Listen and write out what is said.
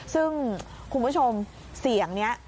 ซึ่งคุณผู้ชมเสียงนี้